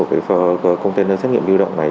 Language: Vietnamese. của container xét nghiệm lưu động này